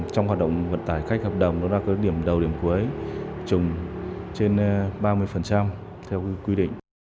trong hoạt động vận tải khách hợp đồng nó ra cái điểm đầu điểm cuối trùng trên ba mươi theo quy định